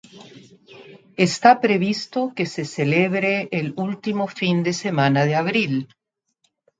Está previsto que se celebre el último fin de semana de abril.